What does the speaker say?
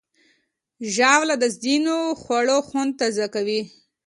ژاوله د ځینو خوړو خوند تازه کوي.